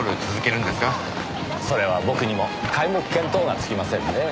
それは僕にも皆目見当がつきませんねぇ。